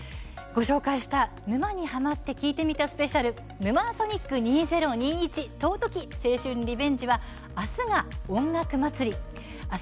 「沼にハマってきいてみたスペシャルヌマーソニック２０２１尊き青春リベンジ」はあす月曜日が音楽祭。